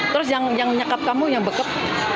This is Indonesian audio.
terus yang nyekap kamu yang bekap